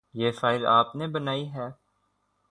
یہ فائل آپ نے بنائی ہے ؟